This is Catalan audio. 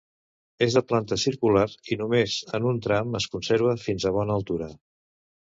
És de planta circular i només en un tram es conserva fins a bona altura.